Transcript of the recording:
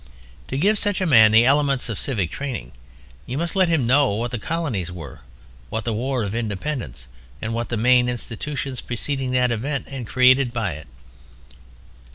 To give such a man the elements of civic training you must let him know what the Colonies were, what the War of Independence, and what the main institutions preceding that event and created by it.